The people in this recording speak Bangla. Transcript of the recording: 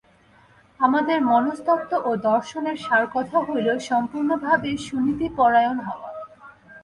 আমাদের মনস্তত্ত্ব ও দর্শনের সারকথা হইল সম্পূর্ণভাবে সুনীতিপরায়ণ হওয়া।